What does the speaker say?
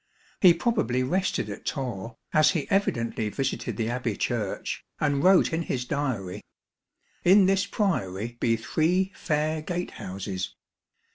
He probably rested at Torre, as he evidently visited the Abbey Church, and wrote in his diary "In this Priory be three fair gate houses."